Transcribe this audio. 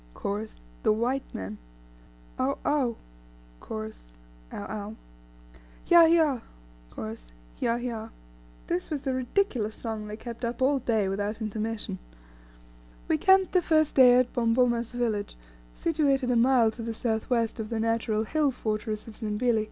Chorus. The White Man. Ough! Ough! Chorus. Ough! Ough! Hyah! Hyah! Chorus. Hyah. Hyah!" This was the ridiculous song they kept up all day without intermission. We camped the first day at Bomboma's village, situated a mile to the south west of the natural hill fortress of Zimbili.